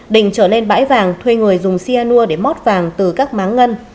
đình trở nên bãi vàng thuê người dùng sia nua để mót vàng từ các máng ngân